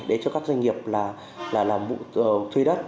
để cho các doanh nghiệp làm thuê đất